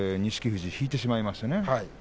富士は引いてしまいましたね。